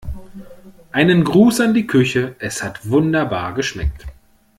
Einen Gruß an die Küche, es hat wunderbar geschmeckt.